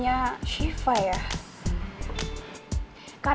saya bri hayat secara s stemri